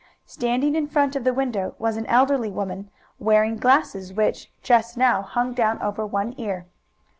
Standing in front of a window was an elderly woman, wearing glasses which, just now, hung down over one ear.